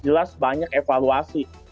jelas banyak evaluasi